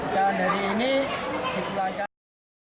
dan dari ini dikulangkan